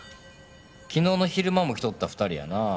昨日の昼間も来とった二人やな